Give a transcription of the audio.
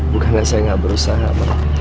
bukannya saya gak berusaha